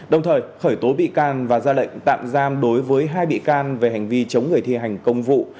đồng thời khởi tố bị can và ra lệnh tạm giam đối với hai bị can về hành vi chống người thi hành công vụ